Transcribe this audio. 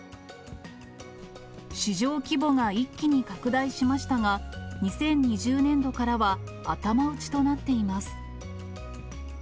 市場規模が一気に拡大しましたが、２０２０年度からは頭打ちとなっています。